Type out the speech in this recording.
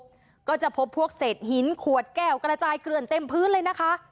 เป็นพวกเสดหินขวดแก้วกระจายเกลื่อนเต็มพื้น